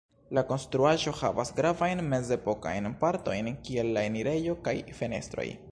La konstruaĵo havas gravajn mezepokajn partojn, kiel la enirejo kaj fenestroj.